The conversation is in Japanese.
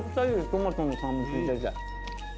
トマトの酸味きいてて。